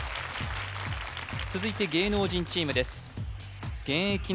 続いて芸能人チームです